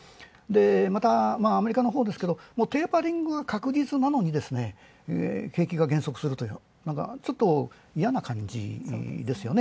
またアメリカのほうですが、テーパリング確実なのに景気が減速するという、ちょっといやな感じですよね。